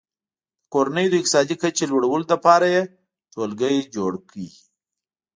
د کورنیو د اقتصادي کچې لوړولو لپاره یې ټولګي جوړ کړي.